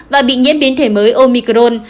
và bị nhiễm biến thể mới omicron